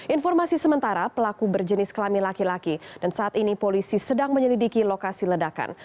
informasi sementara pelaku berjenis kelamin laki laki dan saat ini polisi sedang menyelidiki lokasi ledakan